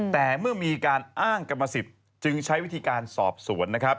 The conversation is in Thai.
แต่เมื่อมีการอ้างกรรมสิทธิ์จึงใช้วิธีการสอบสวนนะครับ